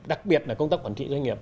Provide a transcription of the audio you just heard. đặc biệt là công tác quản trị doanh nghiệp